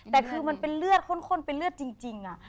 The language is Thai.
แต่คือมันเป็นเลือดข้นเป็นเลือดจริง